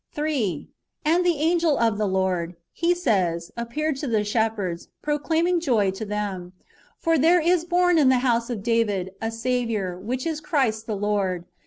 4. And the angel of the Lord, he says, appeared to the shepherds, proclaiming joy to them : "For^ there is born in the house of David, a Saviour, which is Christ the Lord.